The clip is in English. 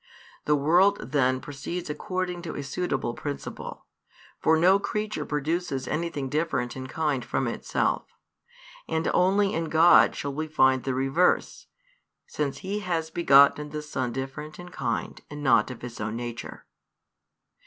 The world then proceeds according to a suitable principle, for no creature produces anything different in kind from itself. And only in God shall we find the reverse, since He has begotten the Son different in kind and not of His own Nature.